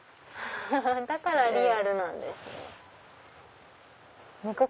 だからリアルなんですね。